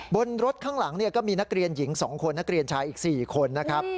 บนรถข้างหลังก็มีนักเรียนหญิง๒คนนักเรียนชายอีก๔คนนะครับ